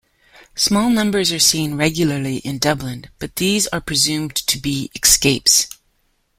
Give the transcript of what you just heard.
Small numbers are seen regularly in Dublin, but these are presumed to be escapes.